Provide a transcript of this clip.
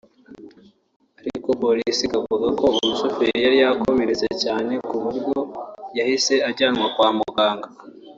ariko polisi ikavuga ko umushoferi yari yakomeretse cyane ku buryo yahise ajyanwa kwa muganga